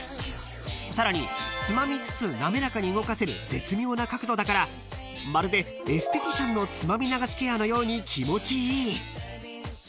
［さらにつまみつつ滑らかに動かせる絶妙な角度だからまるでエステティシャンのつまみ流しケアのように気持ちいい］